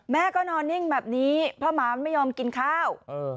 แม่ก็นอนนิ่งแบบนี้เพราะหมาไม่ยอมกินข้าว